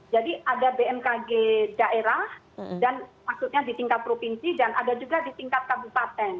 jadi ada bmkg daerah dan maksudnya di tingkat provinsi dan ada juga di tingkat kabupaten